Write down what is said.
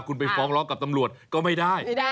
คุณไปฟ้องร้องกับตำรวจก็ไม่ได้